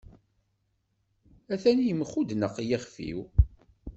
Ata yemxudneq yexef-iw.